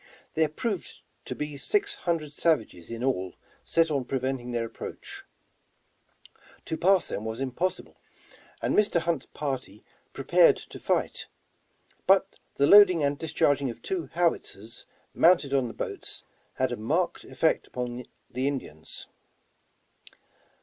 There proved to be six hundred savages in all set on preventing their approach. To pass them was impossible, and Mr. Hunt's party prepared to fight, but the loading and discharging of two howitzers 176 Over the Rockies mounted on tlie boats, had a marked effect among the Indians.